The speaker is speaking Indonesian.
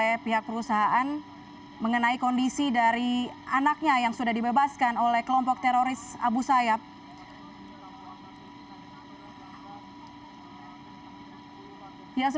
ini mungkin bisa jadi anak dari bapak aidil yang baru saja kami hubungi melalui sambungan via telpon yang belum dapat dikonfirmasi